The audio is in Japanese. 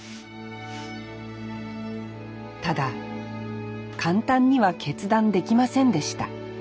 ただ簡単には決断できませんでした